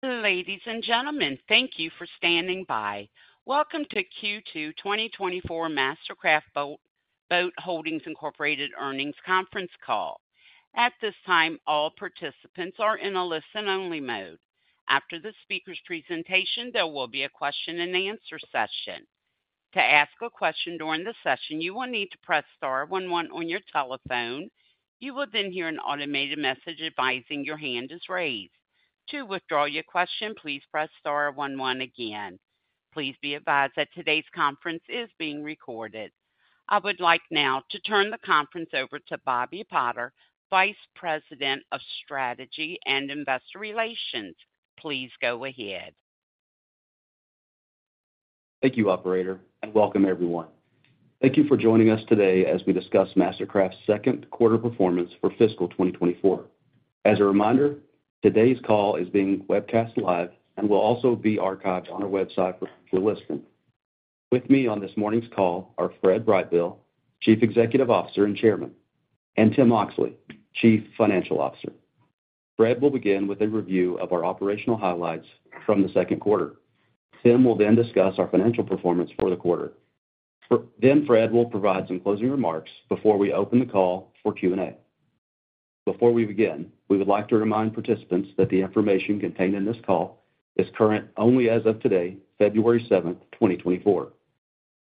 Ladies and gentlemen, thank you for standing by. Welcome to Q2 2024 MasterCraft Boat Holdings, Inc. Earnings Conference Call. At this time, all participants are in a listen-only mode. After the speaker's presentation, there will be a question-and-answer session. To ask a question during the session, you will need to press star one one on your telephone. You will then hear an automated message advising your hand is raised. To withdraw your question, please press star one one again. Please be advised that today's conference is being recorded. I would like now to turn the conference over to Bobby Potter, Vice President of Strategy and Investor Relations. Please go ahead. Thank you, operator, and welcome everyone. Thank you for joining us today as we discuss MasterCraft's second quarter performance for fiscal 2024. As a reminder, today's call is being webcast live and will also be archived on our website for listening. With me on this morning's call are Fred Brightbill, Chief Executive Officer and Chairman, and Tim Oxley, Chief Financial Officer. Fred will begin with a review of our operational highlights from the second quarter. Tim will then discuss our financial performance for the quarter. Then Fred will provide some closing remarks before we open the call for Q&A. Before we begin, we would like to remind participants that the information contained in this call is current only as of today, February 7, 2024.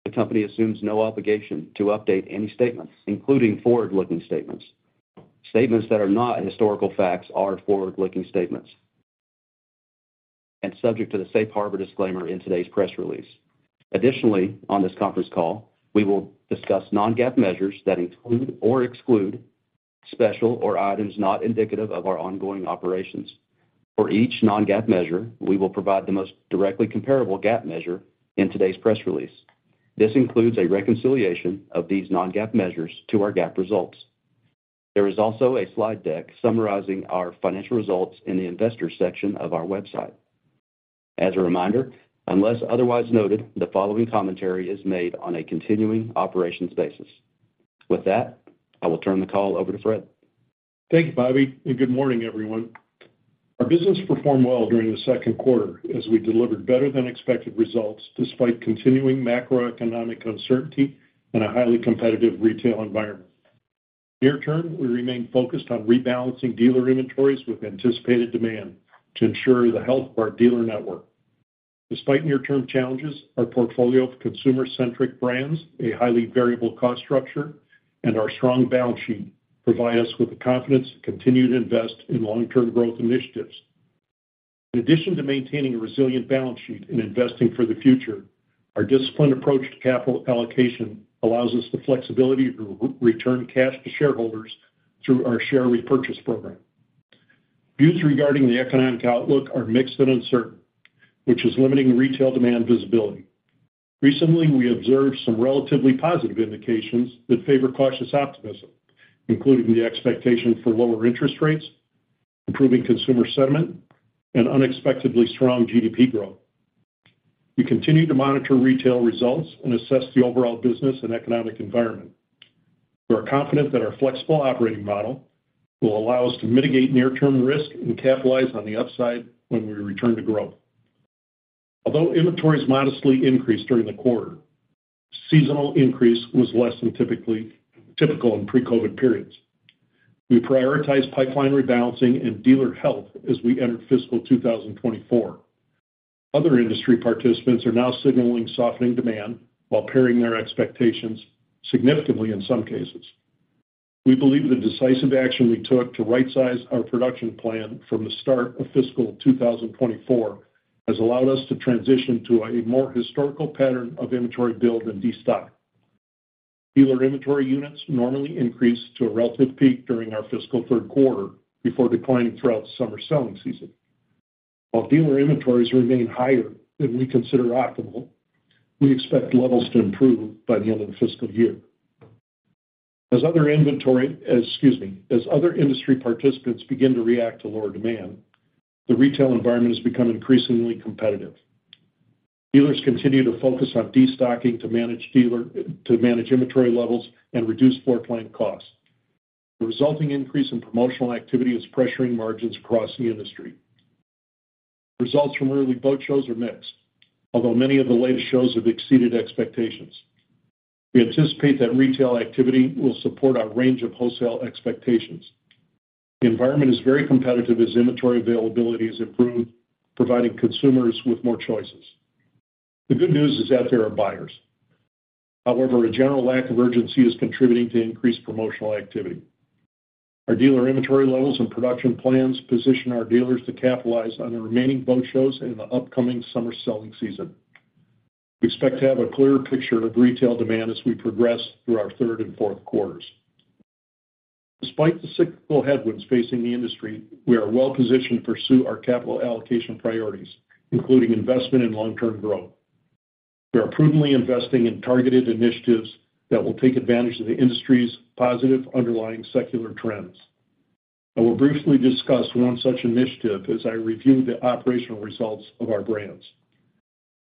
The company assumes no obligation to update any statements, including forward-looking statements. Statements that are not historical facts are forward-looking statements and subject to the safe harbor disclaimer in today's press release. Additionally, on this conference call, we will discuss non-GAAP measures that include or exclude special items or items not indicative of our ongoing operations. For each non-GAAP measure, we will provide the most directly comparable GAAP measure in today's press release. This includes a reconciliation of these non-GAAP measures to our GAAP results. There is also a slide deck summarizing our financial results in the investors section of our website. As a reminder, unless otherwise noted, the following commentary is made on a continuing operations basis. With that, I will turn the call over to Fred. Thank you, Bobby, and good morning, everyone. Our business performed well during the second quarter as we delivered better-than-expected results despite continuing macroeconomic uncertainty and a highly competitive retail environment. Near term, we remain focused on rebalancing dealer inventories with anticipated demand to ensure the health of our dealer network. Despite near-term challenges, our portfolio of consumer-centric brands, a highly variable cost structure, and our strong balance sheet provide us with the confidence to continue to invest in long-term growth initiatives. In addition to maintaining a resilient balance sheet and investing for the future, our disciplined approach to capital allocation allows us the flexibility to re-return cash to shareholders through our share repurchase program. Views regarding the economic outlook are mixed and uncertain, which is limiting retail demand visibility. Recently, we observed some relatively positive indications that favor cautious optimism, including the expectation for lower interest rates, improving consumer sentiment, and unexpectedly strong GDP growth. We continue to monitor retail results and assess the overall business and economic environment. We are confident that our flexible operating model will allow us to mitigate near-term risk and capitalize on the upside when we return to growth. Although inventories modestly increased during the quarter, seasonal increase was less than typical in pre-COVID periods. We prioritized pipeline rebalancing and dealer health as we entered fiscal 2024. Other industry participants are now signaling softening demand while pairing their expectations significantly in some cases. We believe the decisive action we took to rightsize our production plan from the start of fiscal 2024 has allowed us to transition to a more historical pattern of inventory build and destock. Dealer inventory units normally increase to a relative peak during our fiscal third quarter before declining throughout the summer selling season. While dealer inventories remain higher than we consider optimal, we expect levels to improve by the end of the fiscal year. Excuse me, as other industry participants begin to react to lower demand, the retail environment has become increasingly competitive. Dealers continue to focus on destocking to manage inventory levels and reduce floor plan costs. The resulting increase in promotional activity is pressuring margins across the industry. Results from early boat shows are mixed, although many of the latest shows have exceeded expectations. We anticipate that retail activity will support our range of wholesale expectations. The environment is very competitive as inventory availability has improved, providing consumers with more choices. The good news is that there are buyers. However, a general lack of urgency is contributing to increased promotional activity. Our dealer inventory levels and production plans position our dealers to capitalize on the remaining boat shows in the upcoming summer selling season. We expect to have a clearer picture of retail demand as we progress through our third and fourth quarters. Despite the cyclical headwinds facing the industry, we are well positioned to pursue our capital allocation priorities, including investment in long-term growth. We are prudently investing in targeted initiatives that will take advantage of the industry's positive underlying secular trends. I will briefly discuss one such initiative as I review the operational results of our brands....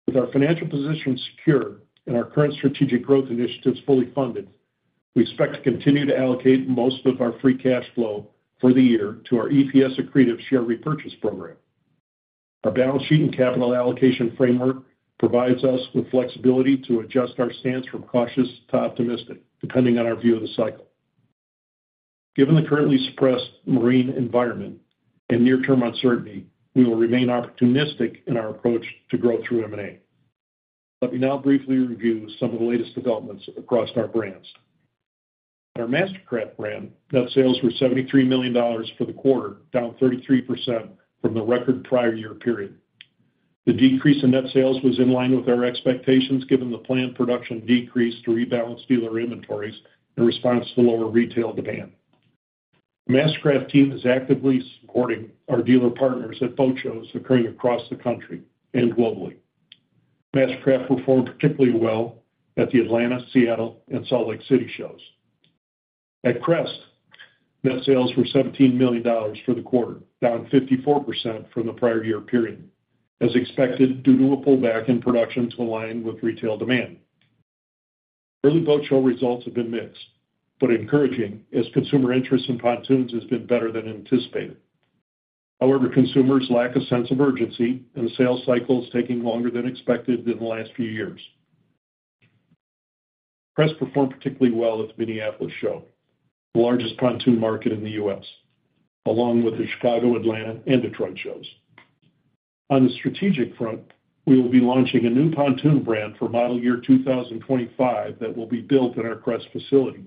With our financial position secure and our current strategic growth initiatives fully funded, we expect to continue to allocate most of our free cash flow for the year to our EPS accretive share repurchase program. Our balance sheet and capital allocation framework provides us with flexibility to adjust our stance from cautious to optimistic, depending on our view of the cycle. Given the currently suppressed marine environment and near-term uncertainty, we will remain opportunistic in our approach to growth through M&A. Let me now briefly review some of the latest developments across our brands. At our MasterCraft brand, net sales were $73 million for the quarter, down 33% from the record prior year period. The decrease in net sales was in line with our expectations, given the planned production decrease to rebalance dealer inventories in response to lower retail demand. The MasterCraft team is actively supporting our dealer partners at boat shows occurring across the country and globally. MasterCraft performed particularly well at the Atlanta, Seattle, and Salt Lake City shows. At Crest, net sales were $17 million for the quarter, down 54% from the prior year period, as expected, due to a pullback in production to align with retail demand. Early boat show results have been mixed, but encouraging, as consumer interest in pontoons has been better than anticipated. However, consumers lack a sense of urgency, and the sales cycle is taking longer than expected in the last few years. Crest performed particularly well at the Minneapolis show, the largest pontoon market in the U.S., along with the Chicago, Atlanta, and Detroit shows. On the strategic front, we will be launching a new pontoon brand for model year 2025 that will be built in our Crest facility.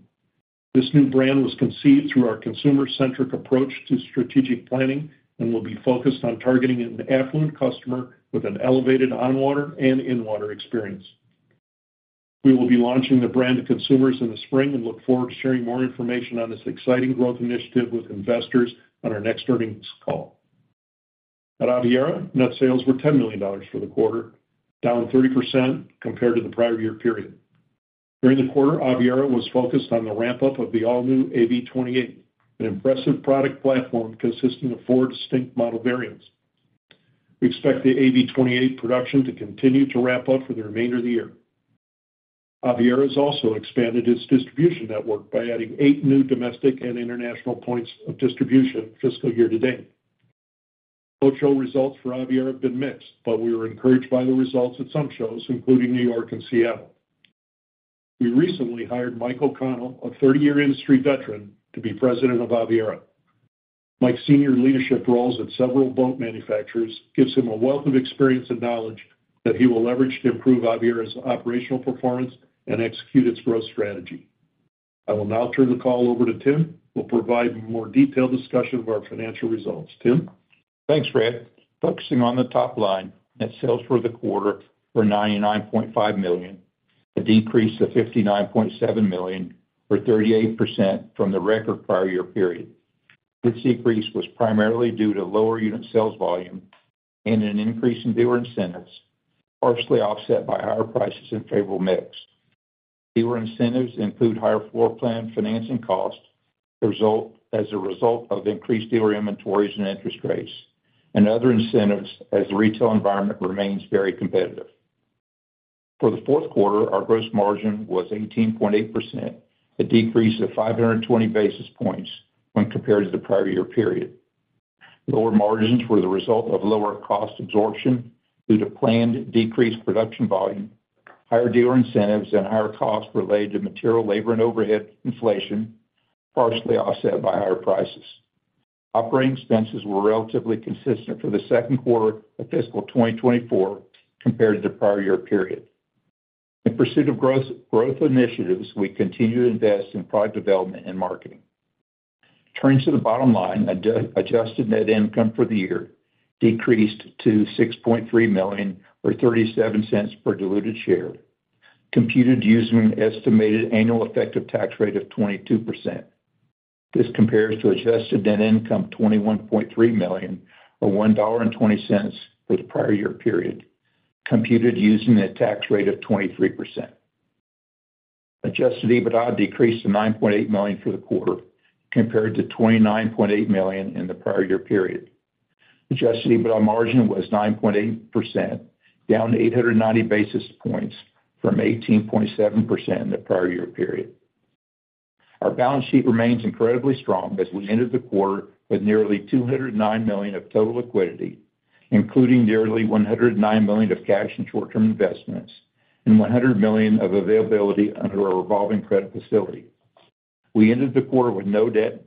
This new brand was conceived through our consumer-centric approach to strategic planning and will be focused on targeting an affluent customer with an elevated on-water and in-water experience. We will be launching the brand to consumers in the spring and look forward to sharing more information on this exciting growth initiative with investors on our next earnings call. At Aviara, net sales were $10 million for the quarter, down 30% compared to the prior year period. During the quarter, Aviara was focused on the ramp-up of the all-new AV28, an impressive product platform consisting of four distinct model variants. We expect the AV28 production to continue to ramp up for the remainder of the year. Aviara has also expanded its distribution network by adding eight new domestic and international points of distribution fiscal year to date. Boat show results for Aviara have been mixed, but we were encouraged by the results at some shows, including New York and Seattle. We recently hired Mike O'Connell, a thirty-year industry veteran, to be president of Aviara. Mike's senior leadership roles at several boat manufacturers gives him a wealth of experience and knowledge that he will leverage to improve Aviara's operational performance and execute its growth strategy. I will now turn the call over to Tim, who will provide a more detailed discussion of our financial results. Tim? Thanks, Fred. Focusing on the top line, net sales for the quarter were $99.5 million, a decrease of $59.7 million, or 38%, from the record prior year period. This decrease was primarily due to lower unit sales volume and an increase in dealer incentives, partially offset by higher prices and favorable mix. Dealer incentives include higher floor plan financing costs, as a result of increased dealer inventories and interest rates, and other incentives, as the retail environment remains very competitive. For the fourth quarter, our gross margin was 18.8%, a decrease of 520 basis points when compared to the prior year period. Lower margins were the result of lower cost absorption due to planned decreased production volume, higher dealer incentives, and higher costs related to material, labor, and overhead inflation, partially offset by higher prices. Operating expenses were relatively consistent for the second quarter of fiscal 2024 compared to the prior year period. In pursuit of growth, growth initiatives, we continue to invest in product development and marketing. Turning to the bottom line, adjusted net income for the year decreased to $6.3 million, or $0.37 per diluted share, computed using an estimated annual effective tax rate of 22%. This compares to adjusted net income, $21.3 million, or $1.20 for the prior year period, computed using a tax rate of 23%. Adjusted EBITDA decreased to $9.8 million for the quarter, compared to $29.8 million in the prior year period. Adjusted EBITDA margin was 9.8%, down 890 basis points from 18.7% in the prior year period. Our balance sheet remains incredibly strong as we ended the quarter with nearly $209 million of total liquidity, including nearly $109 million of cash and short-term investments and $100 million of availability under our revolving credit facility. We ended the quarter with no debt,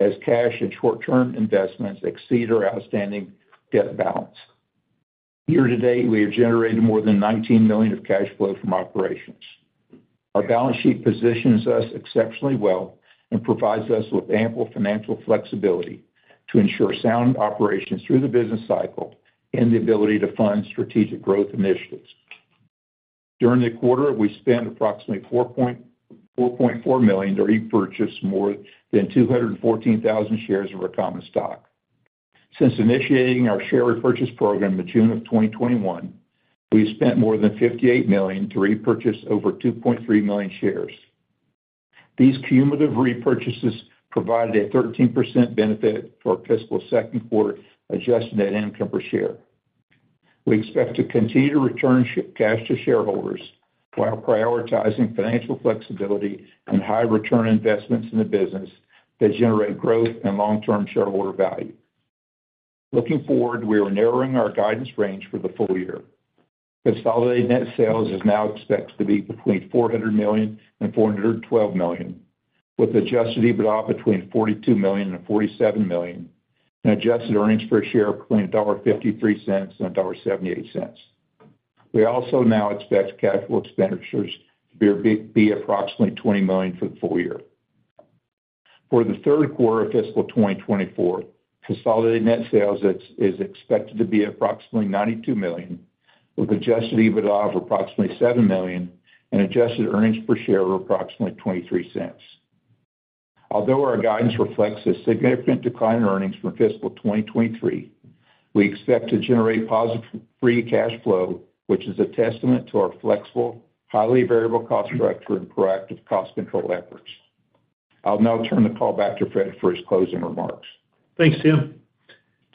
as cash and short-term investments exceed our outstanding debt balance. Year to date, we have generated more than $19 million of cash flow from operations. Our balance sheet positions us exceptionally well and provides us with ample financial flexibility to ensure sound operations through the business cycle and the ability to fund strategic growth initiatives. During the quarter, we spent approximately $4.4 million to repurchase more than 214,000 shares of our common stock. Since initiating our share repurchase program in June of 2021, we spent more than $58 million to repurchase over 2.3 million shares. These cumulative repurchases provided a 13% benefit for our fiscal second quarter, adjusted net income per share. We expect to continue to return cash to shareholders while prioritizing financial flexibility and high return investments in the business that generate growth and long-term shareholder value. Looking forward, we are narrowing our guidance range for the full year. Consolidated net sales is now expected to be between $400 million-$412 million, with adjusted EBITDA between $42 million-$47 million, and adjusted earnings per share between $1.53-$1.78. We also now expect capital expenditures to be approximately $20 million for the full year. For the third quarter of fiscal 2024, consolidated net sales is expected to be approximately $92 million, with adjusted EBITDA of approximately $7 million and adjusted earnings per share of approximately $0.23. Although our guidance reflects a significant decline in earnings from fiscal 2023, we expect to generate positive free cash flow, which is a testament to our flexible, highly variable cost structure and proactive cost control efforts. I'll now turn the call back to Fred for his closing remarks. Thanks, Tim.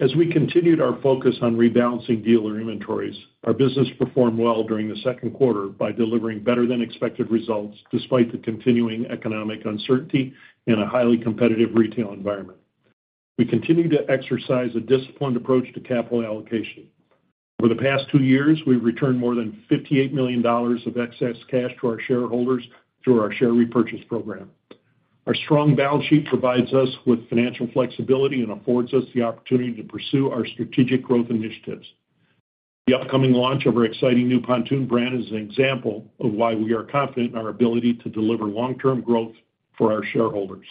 As we continued our focus on rebalancing dealer inventories, our business performed well during the second quarter by delivering better than expected results, despite the continuing economic uncertainty in a highly competitive retail environment. We continue to exercise a disciplined approach to capital allocation. Over the past two years, we've returned more than $58 million of excess cash to our shareholders through our share repurchase program. Our strong balance sheet provides us with financial flexibility and affords us the opportunity to pursue our strategic growth initiatives. The upcoming launch of our exciting new pontoon brand is an example of why we are confident in our ability to deliver long-term growth for our shareholders.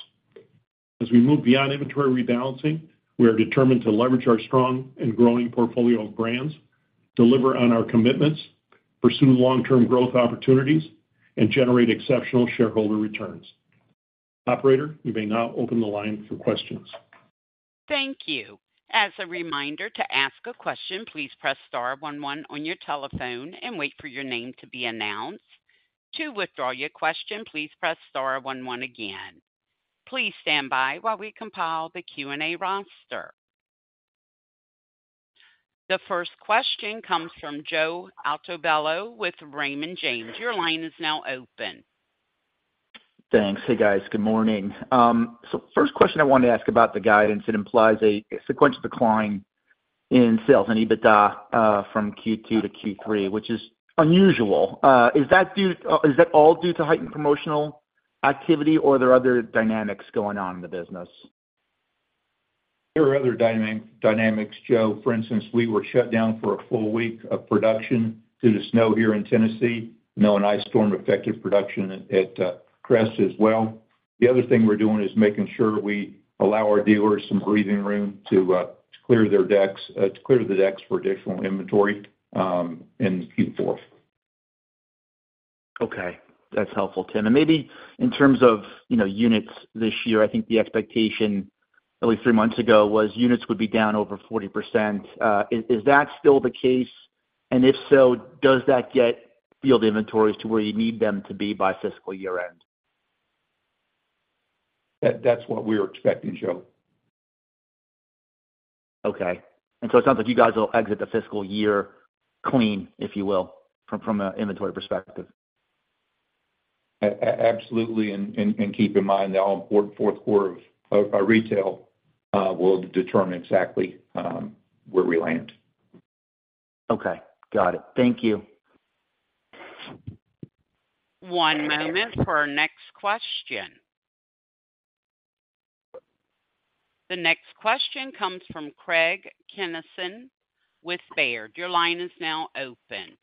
As we move beyond inventory rebalancing, we are determined to leverage our strong and growing portfolio of brands, deliver on our commitments, pursue long-term growth opportunities, and generate exceptional shareholder returns. Operator, you may now open the line for questions. Thank you. As a reminder to ask a question, please press star one one on your telephone and wait for your name to be announced. To withdraw your question, please press star one one again. Please stand by while we compile the Q&A roster. The first question comes from Joe Altobello with Raymond James. Your line is now open. Thanks. Hey, guys. Good morning. So first question I wanted to ask about the guidance. It implies a sequential decline in sales and EBITDA from Q2 to Q3, which is unusual. Is that all due to heightened promotional activity, or are there other dynamics going on in the business? There are other dynamics, Joe. For instance, we were shut down for a full week of production due to snow here in Tennessee. Snow and ice storm affected production at Crest as well. The other thing we're doing is making sure we allow our dealers some breathing room to clear their decks for additional inventory in Q4. Okay. That's helpful, Tim. And maybe in terms of, you know, units this year, I think the expectation, at least three months ago, was units would be down over 40%. Is that still the case? And if so, does that get field inventories to where you need them to be by fiscal year-end? That's what we're expecting, Joe. Okay. It sounds like you guys will exit the fiscal year clean, if you will, from an inventory perspective. Absolutely, and keep in mind that all fourth quarter of our retail will determine exactly where we land. Okay. Got it. Thank you. One moment for our next question. The next question comes from Craig Kennison with Baird. Your line is now open.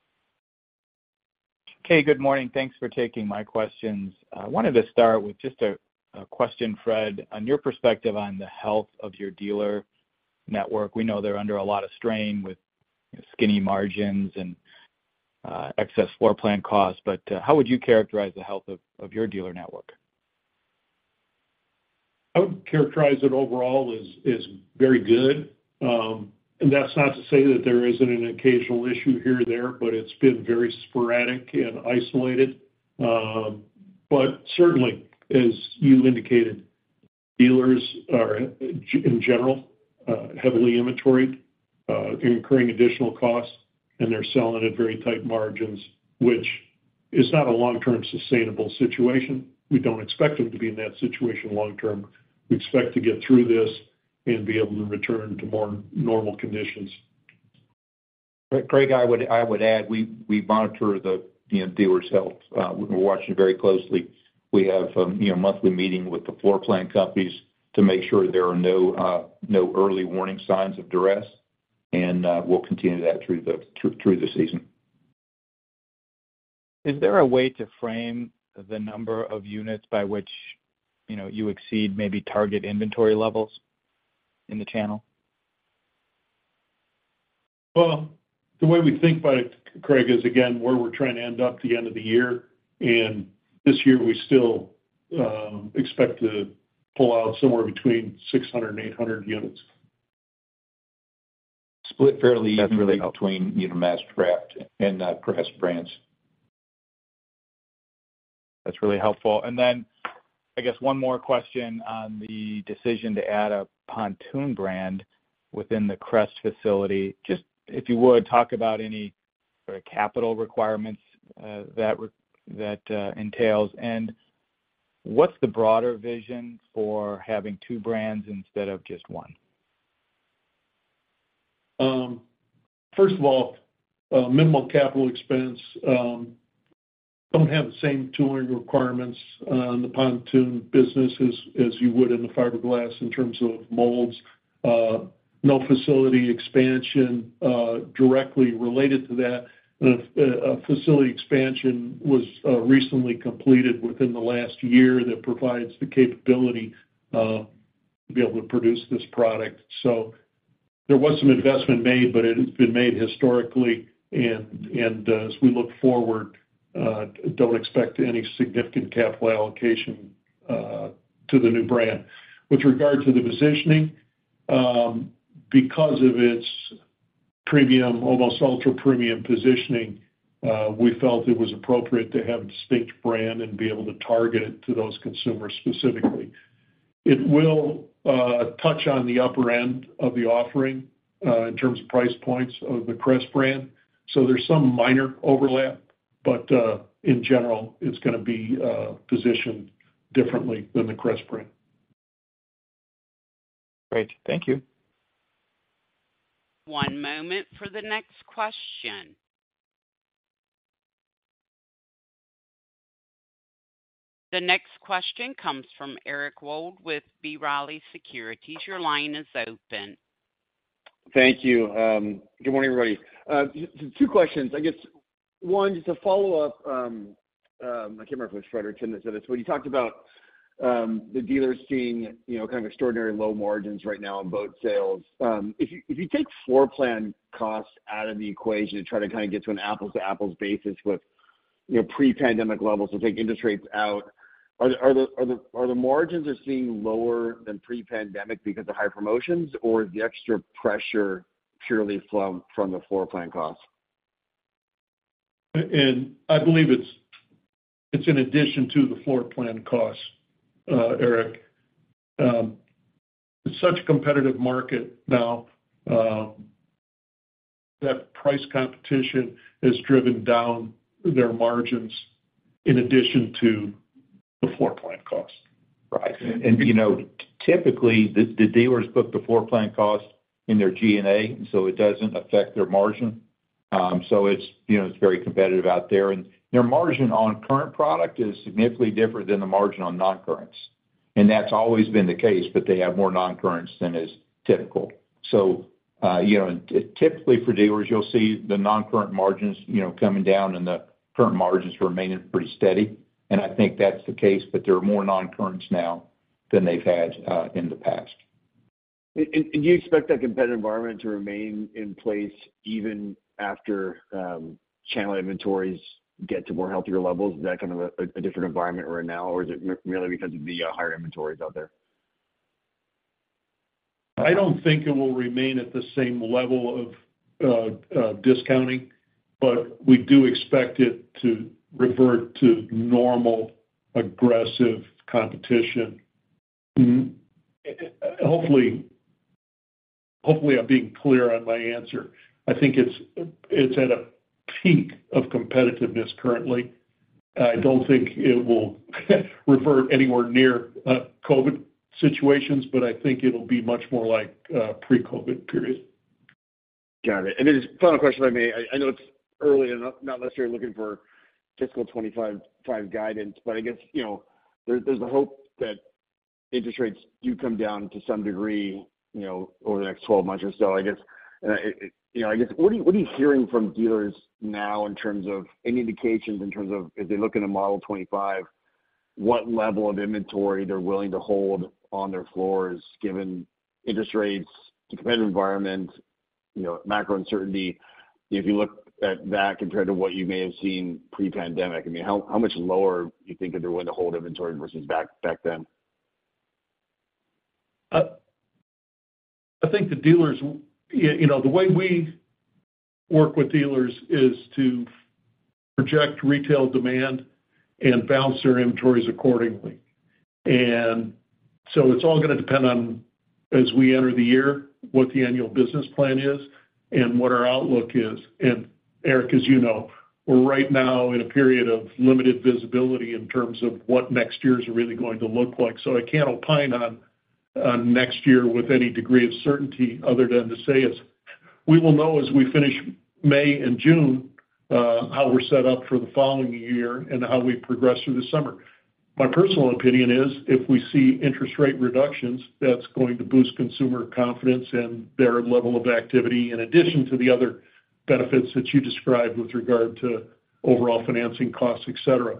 Okay, good morning. Thanks for taking my questions. I wanted to start with just a question, Fred, on your perspective on the health of your dealer network. We know they're under a lot of strain with skinny margins and excess floor plan costs, but how would you characterize the health of your dealer network? I would characterize it overall as very good. That's not to say that there isn't an occasional issue here or there, but it's been very sporadic and isolated. Certainly, as you indicated, dealers are, in general, heavily inventoried, incurring additional costs, and they're selling at very tight margins, which is not a long-term sustainable situation. We don't expect them to be in that situation long term. We expect to get through this and be able to return to more normal conditions. Craig, I would add, we monitor the dealers' health. We're watching very closely. We have, you know, monthly meeting with the floor plan companies to make sure there are no early warning signs of duress, and we'll continue that through the season. Is there a way to frame the number of units by which, you know, you exceed maybe target inventory levels in the channel? Well, the way we think about it, Craig, is again, where we're trying to end up at the end of the year, and this year we still expect to pull out somewhere between 600 and 800 units.... split fairly evenly between, you know, MasterCraft and Crest brands. That's really helpful. And then, I guess one more question on the decision to add a pontoon brand within the Crest facility. Just, if you would, talk about any sort of capital requirements that entails, and what's the broader vision for having two brands instead of just one? First of all, minimal capital expense. Don't have the same tooling requirements in the pontoon business as you would in the fiberglass in terms of molds. No facility expansion directly related to that. A facility expansion was recently completed within the last year that provides the capability to be able to produce this product. So there was some investment made, but it has been made historically. As we look forward, don't expect any significant capital allocation to the new brand. With regard to the positioning, because of its premium, almost ultra-premium positioning, we felt it was appropriate to have a distinct brand and be able to target it to those consumers specifically. It will touch on the upper end of the offering in terms of price points of the Crest brand, so there's some minor overlap, but in general, it's gonna be positioned differently than the Crest brand. Great. Thank you. One moment for the next question. The next question comes from Eric Wold with B. Riley Securities. Your line is open. Thank you. Good morning, everybody. Two questions. I guess, one, just to follow up, I can't remember if it was Frederick or Tim that said this, but you talked about, the dealers seeing, you know, kind of extraordinary low margins right now in boat sales. If you take floor plan costs out of the equation to try to kind of get to an apples-to-apples basis with, you know, pre-pandemic levels, so take interest rates out, are the margins they're seeing lower than pre-pandemic because of high promotions, or is the extra pressure purely from the floor plan costs? I believe it's in addition to the floor plan costs, Eric. It's such a competitive market now that price competition has driven down their margins in addition to the floor plan costs. Right. And, you know, typically, the dealers book the floor plan costs in their G&A, so it doesn't affect their margin. So it's, you know, it's very competitive out there. And their margin on current product is significantly different than the margin on noncurrents. And that's always been the case, but they have more noncurrents than is typical. So, you know, and typically for dealers, you'll see the noncurrent margins, you know, coming down and the current margins remaining pretty steady, and I think that's the case, but there are more noncurrents now than they've had in the past. And do you expect that competitive environment to remain in place even after channel inventories get to more healthier levels? Is that kind of a different environment we're in now, or is it merely because of the higher inventories out there? I don't think it will remain at the same level of discounting, but we do expect it to revert to normal, aggressive competition. Mm-hmm. Hopefully, hopefully, I'm being clear on my answer. I think it's at a peak of competitiveness currently. I don't think it will revert anywhere near COVID situations, but I think it'll be much more like pre-COVID period. Got it. And then just final question. I know it's early and I'm not necessarily looking for fiscal 2025 guidance, but I guess, you know, there's the hope that interest rates do come down to some degree, you know, over the next 12 months or so. I guess, you know, I guess, what are you hearing from dealers now in terms of any indications in terms of if they're looking to model 2025, what level of inventory they're willing to hold on their floors, given interest rates, the competitive environment, you know, macro uncertainty? If you look at that compared to what you may have seen pre-pandemic, I mean, how much lower do you think they're willing to hold inventory versus back then? I think the dealers, you know, the way we work with dealers is to project retail demand and balance their inventories accordingly. And so it's all gonna depend on, as we enter the year, what the annual business plan is and what our outlook is. And Eric, as you know, we're right now in a period of limited visibility in terms of what next year's really going to look like. So I can't opine on next year with any degree of certainty other than to say it's... We will know as we finish May and June, how we're set up for the following year and how we progress through the summer. My personal opinion is, if we see interest rate reductions, that's going to boost consumer confidence and their level of activity, in addition to the other benefits that you described with regard to overall financing costs, et cetera.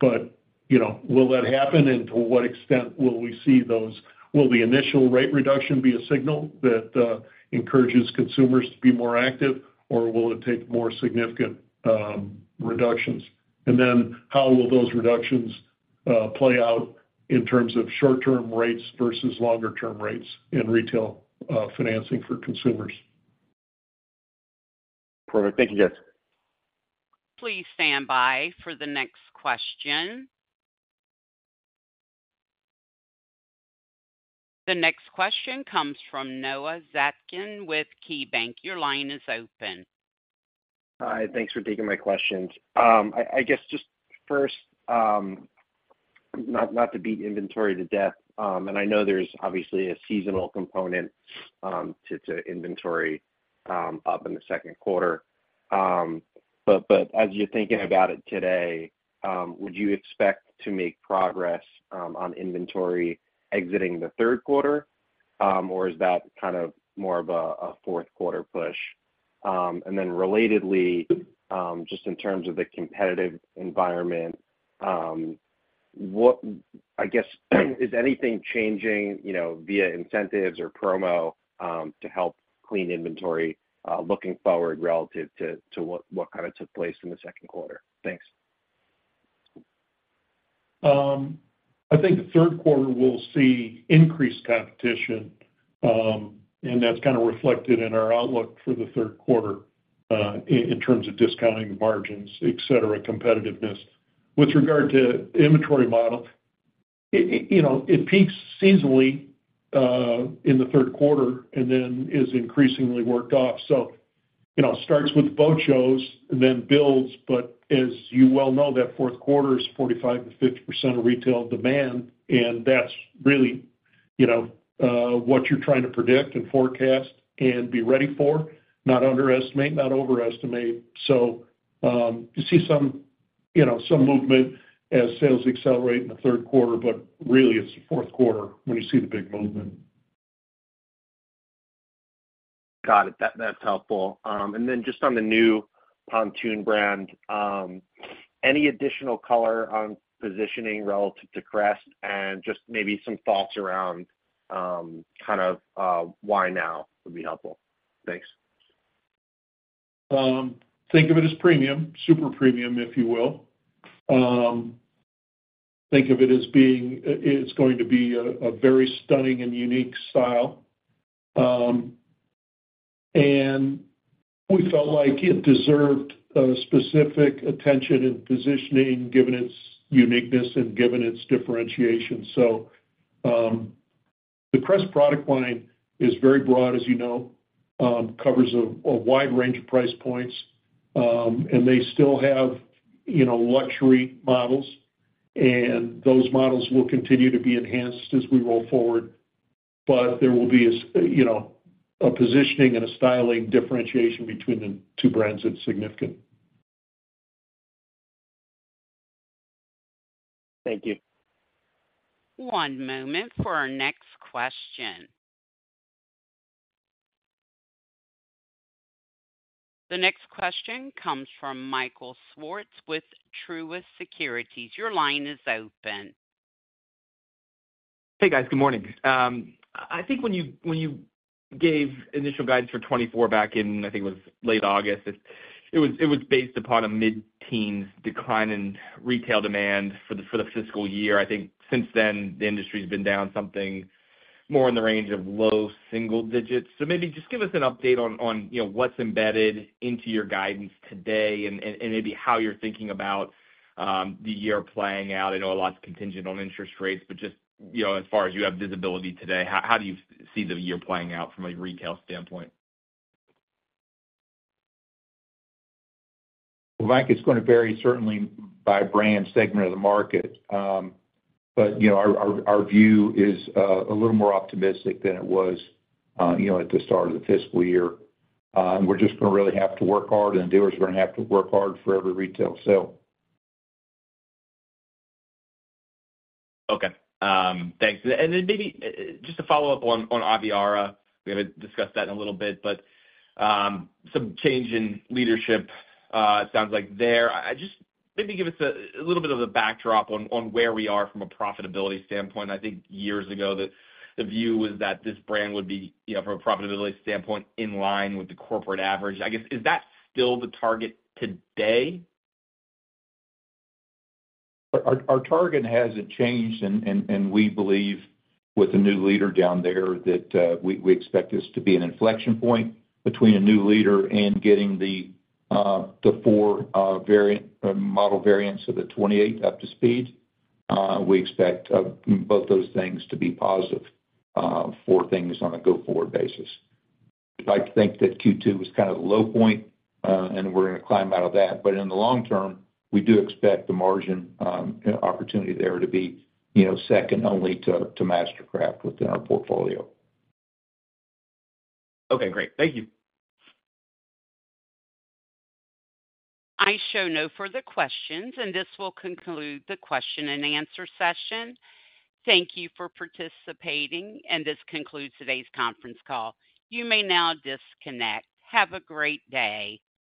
But, you know, will that happen, and to what extent will we see those? Will the initial rate reduction be a signal that encourages consumers to be more active, or will it take more significant reductions? And then how will those reductions play out in terms of short-term rates versus longer-term rates in retail financing for consumers. Perfect. Thank you, guys. Please stand by for the next question. The next question comes from Noah Zatzkin with KeyBanc. Your line is open. Hi, thanks for taking my questions. I guess just first, not to beat inventory to death, and I know there's obviously a seasonal component to inventory up in the second quarter. But as you're thinking about it today, would you expect to make progress on inventory exiting the third quarter? Or is that kind of more of a fourth quarter push? And then relatedly, just in terms of the competitive environment, what, I guess, is anything changing, you know, via incentives or promo to help clean inventory looking forward relative to what kind of took place in the second quarter? Thanks. I think the third quarter will see increased competition, and that's kind of reflected in our outlook for the third quarter, in terms of discounting the margins, et cetera, competitiveness. With regard to inventory model, you know, it peaks seasonally in the third quarter and then is increasingly worked off. So, you know, it starts with boat shows and then builds, but as you well know, that fourth quarter is 45%-50% of retail demand, and that's really, you know, what you're trying to predict and forecast and be ready for, not underestimate, not overestimate. So, you see some, you know, some movement as sales accelerate in the third quarter, but really, it's the fourth quarter when you see the big movement. Got it. That, that's helpful. And then just on the new pontoon brand, any additional color on positioning relative to Crest? And just maybe some thoughts around, kind of, why now, would be helpful. Thanks. Think of it as premium, super premium, if you will. Think of it as being, it's going to be a very stunning and unique style. We felt like it deserved a specific attention and positioning, given its uniqueness and given its differentiation. The Crest product line is very broad, as you know, covers a wide range of price points, and they still have, you know, luxury models, and those models will continue to be enhanced as we roll forward. But there will be, you know, a positioning and a styling differentiation between the two brands that's significant. Thank you. One moment for our next question. The next question comes from Michael Swartz with Truist Securities. Your line is open. Hey, guys. Good morning. I think when you gave initial guidance for 2024 back in, I think it was late August, it was based upon a mid-teens decline in retail demand for the fiscal year. I think since then, the industry's been down something more in the range of low single digits. So maybe just give us an update on, you know, what's embedded into your guidance today and maybe how you're thinking about the year playing out. I know a lot's contingent on interest rates, but just, you know, as far as you have visibility today, how do you see the year playing out from a retail standpoint? Well, Mike, it's gonna vary certainly by brand segment of the market. But, you know, our view is a little more optimistic than it was, you know, at the start of the fiscal year. And we're just gonna really have to work hard, and dealers are gonna have to work hard for every retail sale. Okay, thanks. And then maybe just to follow up on Aviara, we're gonna discuss that in a little bit, but some change in leadership sounds like there. Maybe give us a little bit of a backdrop on where we are from a profitability standpoint. I think years ago the view was that this brand would be, you know, from a profitability standpoint, in line with the corporate average. I guess, is that still the target today? Our target hasn't changed, and we believe with the new leader down there, that we expect this to be an inflection point between a new leader and getting the four variant model variants of the 28 up to speed. We expect both those things to be positive for things on a go-forward basis. I'd like to think that Q2 was kind of the low point, and we're gonna climb out of that. But in the long term, we do expect the margin, you know, opportunity there to be, you know, second only to MasterCraft within our portfolio. Okay, great. Thank you. I show no further questions, and this will conclude the question-and-answer session. Thank you for participating, and this concludes today's conference call. You may now disconnect. Have a great day.